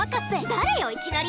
誰よいきなり。